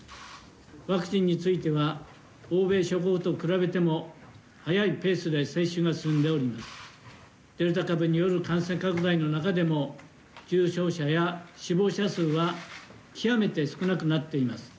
ワクチンについては、欧米諸国と比べても、早いペースで接種が進んでおり、デルタ株による感染拡大の中でも、重症者や死亡者数は極めて少なくなっています。